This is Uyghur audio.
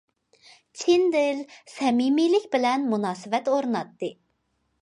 چىن دىل، سەمىمىيلىك بىلەن مۇناسىۋەت ئورناتتى.